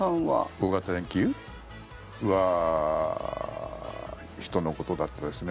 大型連休は人のことだけですね。